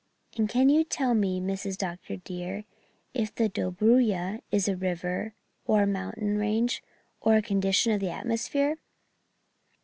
And can you tell me, Mrs. Dr. dear, if the Dobruja is a river or a mountain range, or a condition of the atmosphere?"